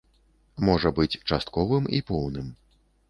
Можа быць частковым і поўным.